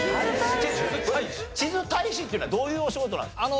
地図大使っていうのはどういうお仕事なんですか？